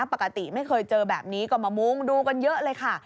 ปกติไม่เคยเจอแบบนี้ก็มามุงดูกันเยอะเลยค่ะ